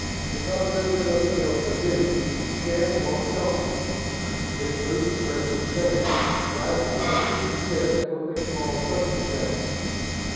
Because there was nothing else to do, Shann walked on, his boots pressing sand, rising from each step with a small sucking sound.